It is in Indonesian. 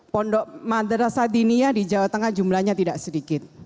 pondok madrasa dinia di jawa tengah jumlahnya tidak sedikit